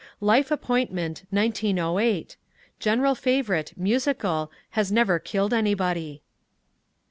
life appointment, 1908; general favorite, musical, has never killed anybody.